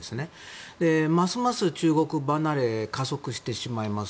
ますます中国離れが加速してしまいます。